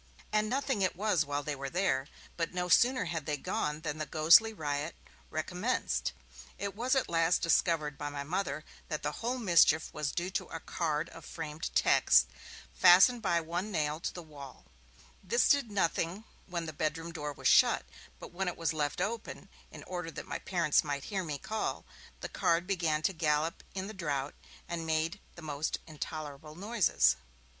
And nothing it was while they were there, but no sooner had they gone than the ghostly riot recommenced. It was at last discovered by my Mother that the whole mischief was due to a card of framed texts, fastened by one nail to the wall; this did nothing when the bedroom door was shut, but when it was left open (in order that my parents might hear me call), the card began to gallop in the draught, and made the most intolerable noises.